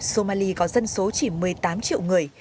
somali có dân số chỉ một mươi tám triệu người